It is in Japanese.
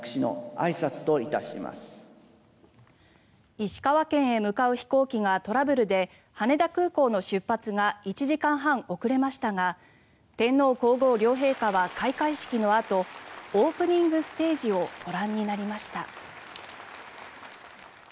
石川県へ向かう飛行機がトラブルで羽田空港の出発が１時間半遅れましたが天皇・皇后両陛下は開会式のあとオープニングステージをご覧になりました。